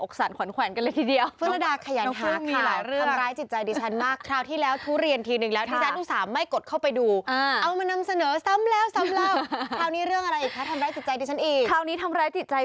อกสั่นขวานแขวนกันเลยทีเดียว